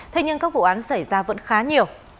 thế nhưng các vụ án xảy ra vẫn khá nhiều